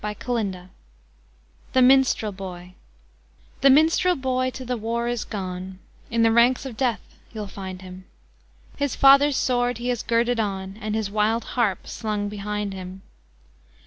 LONGFELLOW THE MINSTREL BOY The Minstrel boy to the war is gone, In the ranks of death you'll find him; His father's sword he has girded on, And his wild harp slung behind him.